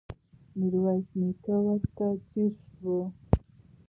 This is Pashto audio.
ميرويس نيکه ورته ځير شو.